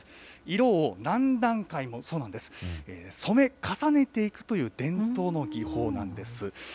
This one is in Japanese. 色を何段階も染め重ねていくという伝統の技法なんです。